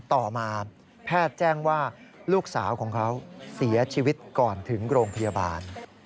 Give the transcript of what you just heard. ต่อมาแพทย์แจ้งว่าลูกสาวของเขาเสียชีวิตก่อนถึงโรงพยาบาล